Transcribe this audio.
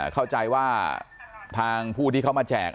เข้าใจว่าทางผู้ที่เขามาแจก